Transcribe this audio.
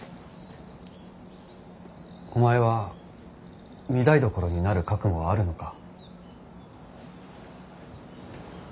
お前は御台所になる覚悟はあるのか。